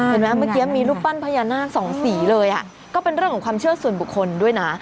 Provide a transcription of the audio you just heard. เมื่อกี้มีรูปปั้นพญานาคสองสีเลยก็เป็นเรื่องของความเชื่อส่วนบุคคลด้วยนะ